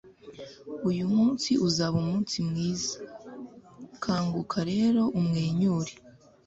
uyu munsi uzaba umunsi mwiza. kanguka rero umwenyure